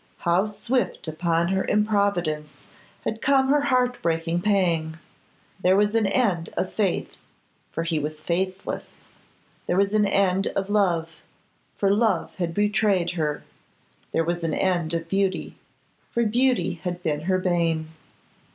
How swift upon her improvidence had come her heart breaking pang! There was an end of faith, for he was faithless; there was an end of love, for love had betrayed her; there was an end of beauty, for beauty had been her bane.